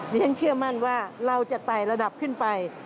ฉันเชื่อมั่นว่าเราจะไต่ระดับขึ้นไป